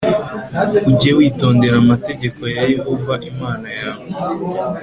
Ujye witondera amategeko ya Yehova Imana yawe,